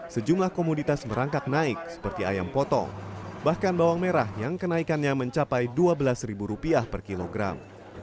sejumlah komoditas merangkak naik seperti ayam potong bahkan bawang merah yang kenaikannya mencapai rp dua belas per kilogram